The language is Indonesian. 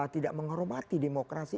tidak menghormati demokrasi